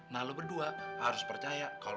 nah lo berdua harus percaya kalau obat gue ini perantara